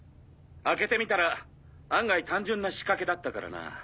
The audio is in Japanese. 開けてみたら案外単純な仕掛けだったからな。